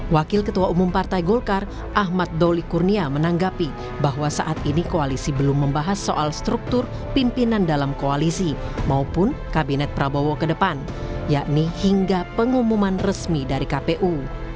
wakil ketua umum partai golkar ahmad doli kurnia menanggapi bahwa saat ini koalisi belum membahas soal struktur pimpinan dalam koalisi maupun kabinet prabowo ke depan yakni hingga pengumuman resmi dari kpu